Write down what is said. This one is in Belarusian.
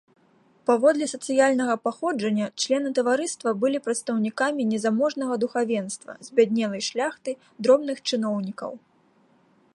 Паводле сацыяльнага паходжання члены таварыства былі прадстаўнікамі незаможнага духавенства, збяднелай шляхты, дробных чыноўнікаў.